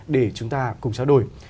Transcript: để chúng ta cùng trao đổi